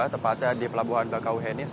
tempatnya di pelabuhan bakau heni